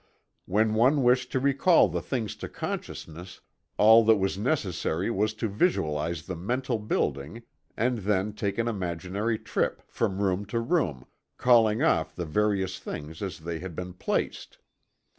When one wished to recall the things to consciousness, all that was necessary was to visualize the mental building and then take an imaginary trip from room to room, calling off the various things as they had been placed.